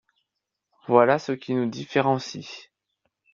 Voilà ce qui nous différencie.